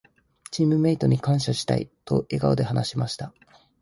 「チームメイトに感謝したい」と笑顔で話しました。